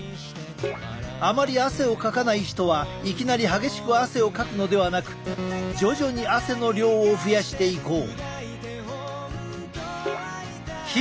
あまり汗をかかない人はいきなり激しく汗をかくのではなく徐々に汗の量を増やしていこう。